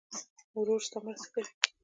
ورور ستا مرسته کوي.